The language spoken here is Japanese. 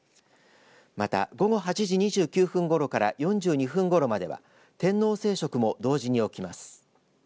また午後８時２９分ごろから４２分ごろまでは天王星食も同時に起きます。